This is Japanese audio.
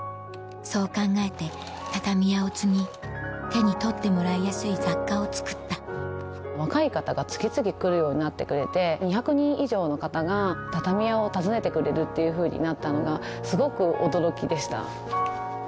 そう考えて畳屋を継ぎ手に取ってもらいやすい雑貨を作った若い方が次々来るようになってくれて２００人以上の方が畳屋を訪ねてくれるっていうふうになったのがすごく驚きでした。